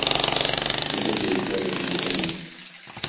كتبت رسالة لأمي.